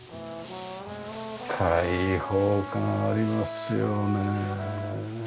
開放感ありますよねえ。